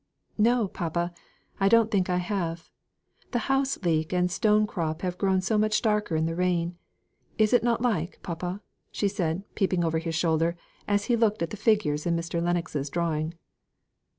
"No, papa! I don't think I have. The house leek and stone crop have grown so much darker in the rain. Is it not like, papa?" said she, peeping over his shoulder, as he looked at the figures in Mr. Lennox's drawing.